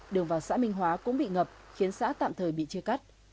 đường vào xã minh hóa cũng bị ngập khiến xã tạm thời bị chia cắt